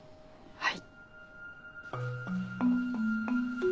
はい。